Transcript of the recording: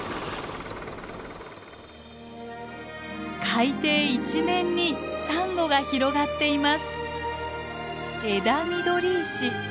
海底一面にサンゴが広がっています。